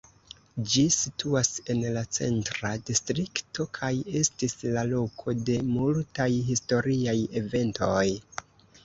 Ĝi situas en la Centra Distrikto kaj estis la loko de multaj historiaj eventoj.